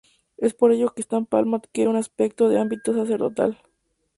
Es por ello que esta palma adquiere un aspecto de hábito sacerdotal.